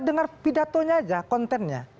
dengar pidatonya aja kontennya